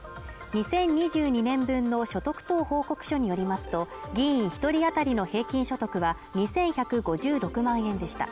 ２０２２年分の所得等報告書によりますと、議員１人当たりの平均所得は２１５６万円でした。